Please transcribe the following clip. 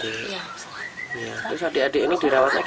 terus adik adik ini dirawatnya gimana kan banyak